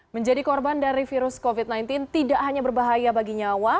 menjadi korban dari virus covid sembilan belas tidak hanya berbahaya bagi nyawa